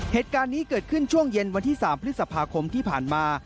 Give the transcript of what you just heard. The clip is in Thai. เหตุการณ์นี้เกิดขึ้นช่วงเย็นวันที่๓พฤษภาคมที่ผ่านมา